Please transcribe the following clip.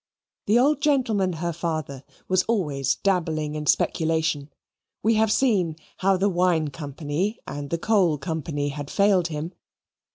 The old gentleman, her father, was always dabbling in speculation. We have seen how the wine company and the coal company had failed him.